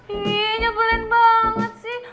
ih nyebelin banget sih